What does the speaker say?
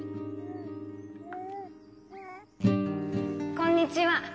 こんにちは。